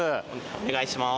お願いします。